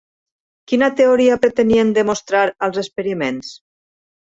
Quina teoria pretenien demostrar els experiments?